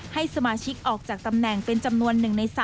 ให้สมาชิกออกจากตำแหน่งเป็นจำนวน๑ใน๓